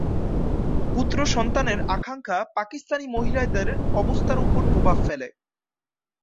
পুত্র সন্তানের আকাঙ্খা পাকিস্তানি মহিলাদের অবস্থার উপর প্রভাব ফেলে।